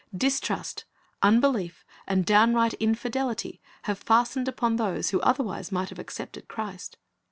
Distrust, unbelief, and downright infidelity have fastened upon those who otherwise might have accepted Christ.